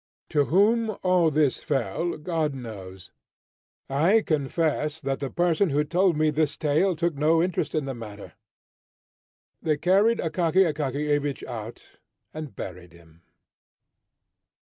To whom all this fell, God knows. I confess that the person who told me this tale took no interest in the matter. They carried Akaky Akakiyevich out, and buried him.